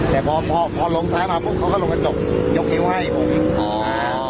แต่พอพอพอลงท้ายมาปุ๊บเขาก็ลงกันจบยกฮิวให้ผมอ๋อ